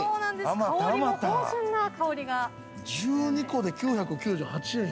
１２個で９９８円。